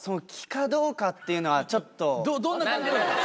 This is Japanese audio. どんな感じ？